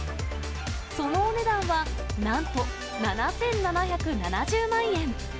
そのお値段は、なんと７７７０万円。